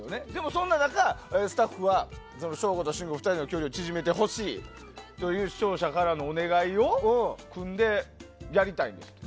そんな中、スタッフは省吾と信五の２人の距離を縮めてほしいという視聴者からのお願いをくんでやりたいんですって。